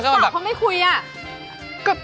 แล้วสาวคุยไม่คุยอะ